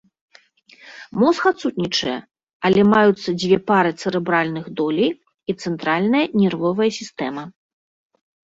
Мозг адсутнічае, але маюцца дзве пары цэрэбральных долей і цэнтральная нервовая сістэма.